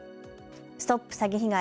ＳＴＯＰ詐欺被害！